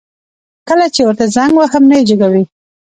کله چي ورته زنګ وهم نه يي جګوي